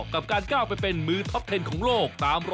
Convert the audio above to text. กับการก้าวไปเป็นมือท็อปเทนของโลก